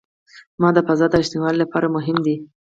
دا د فضا د ریښتینولي لپاره مهم دی.